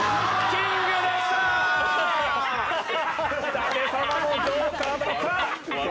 舘様もジョーカーだった。